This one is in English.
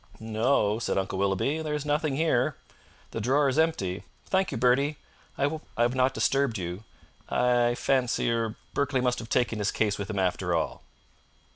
"No," said Uncle Willoughby, "there is nothing here. The drawer is empty. Thank you, Bertie. I hope I have not disturbed you. I fancy er Berkeley must have taken his case with him after all."